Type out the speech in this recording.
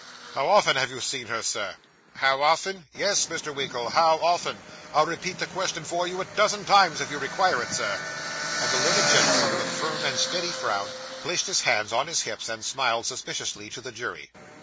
'How often have you seen her, Sir?' 'How often?' 'Yes, Mr. Winkle, how often? I'll repeat the question for you a dozen times, if you require it, Sir.' And the learned gentleman, with a firm and steady frown, placed his hands on his hips, and smiled suspiciously to the jury.